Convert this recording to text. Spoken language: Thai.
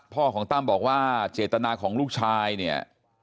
พ่อของตั้มบอกว่าเจตนาของลูกชายเนี่ย